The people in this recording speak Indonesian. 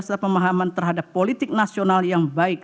dasar pemahaman terhadap politik nasional yang baik